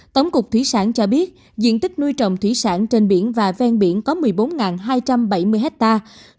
tổng cục thủy sản cho biết diện tích nuôi trồng thủy sản trên biển và ven biển có một mươi bốn hai trăm bảy mươi hectare